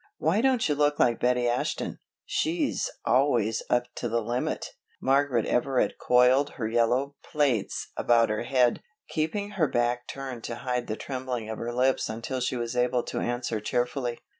Why don't you look like Betty Ashton, she's always up to the limit?" Margaret Everett coiled her yellow plaits about her head, keeping her back turned to hide the trembling of her lips until she was able to answer cheerfully.